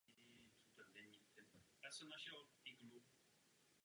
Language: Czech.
Zaměřil se na sbírání uměleckých děl.